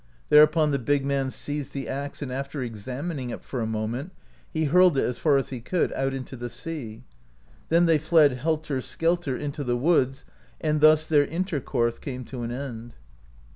Thereupon the big man seized the axe and after exam ining it for a moment he hurled it as far as he could, out into the sea ; then they fled helter skelter into the woods, and thus their intercourse came to an end.